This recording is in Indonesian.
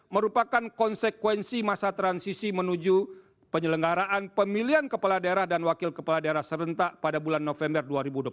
merupakan konsekuensi masa transisi menuju penyelenggaraan pemilihan kepala daerah dan wakil kepala daerah serentak pada bulan november dua ribu dua puluh